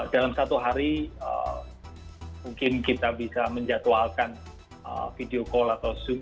dalam satu hari mungkin kita bisa menjatuhalkan video call atau zoom